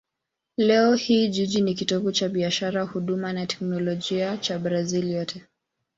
Leo hii jiji ni kitovu cha biashara, huduma na teknolojia cha Brazil yote.